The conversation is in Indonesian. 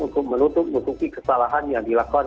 untuk menutupi kesalahan yang dilakukan